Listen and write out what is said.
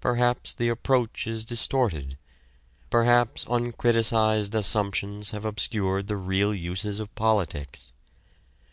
Perhaps the approach is distorted. Perhaps uncriticised assumptions have obscured the real uses of politics.